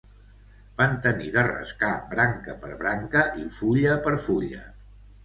Van tenir de rascar branca per branca i fulla per fulla